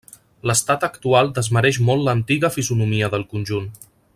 L'estat actual desmereix molt l'antiga fisonomia del conjunt.